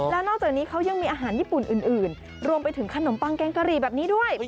แล้วนอกจากนี้เขายังมีอาหารญี่ปุ่นอื่นรวมไปถึงขนมปังแกงกะหรี่แบบนี้ด้วย